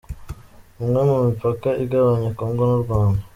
Umwe mu mipaka igabanya Congo n’u Rwanda .